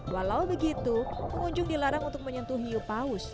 walau begitu pengunjung dilarang untuk menyentuh hiu paus